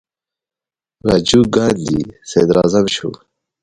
راجیو ګاندي صدراعظم شو.